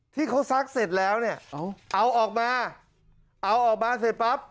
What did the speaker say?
ที่เขาซักเสร็จแล้วเนี่ยเอาออกมาเอาออกมาเสร็จปั๊บ